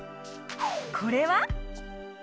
これは？